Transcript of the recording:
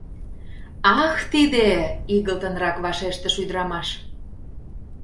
— Ах, тиде? — игылтынрак вашештыш ӱдырамаш.